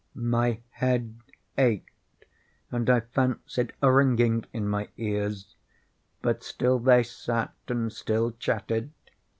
My head ached, and I fancied a ringing in my ears: but still they sat and still chatted.